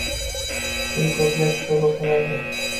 Puli ko’plar kitob o’qimaydi.